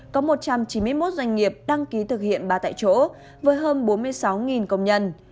có một trăm chín mươi một doanh nghiệp đăng ký thực hiện ba tại chỗ với hơn bốn mươi sáu công nhân